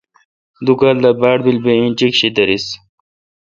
دو کال دا باڑ بیل بہ انچیک شی دریس۔